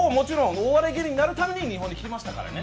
お笑い芸人になるために日本に来ましたからね。